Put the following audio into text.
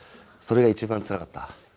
それが一番つらかった。